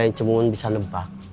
nanya cemun bisa nempak